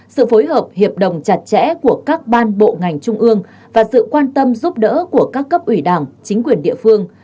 sự phối hợp hiệp đồng chặt chẽ của các ban bộ ngành trung ương và sự quan tâm giúp đỡ của các cấp ủy đảng chính quyền địa phương